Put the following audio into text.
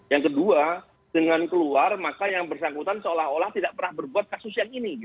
yang kedua dengan keluar maka yang bersangkutan seolah olah tidak pernah berbuat kasus yang ini